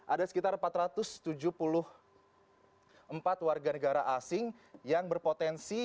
ada sekitar empat ratus tujuh puluh empat warga negara asing yang berpotensi